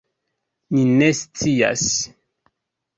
Ni ne scias.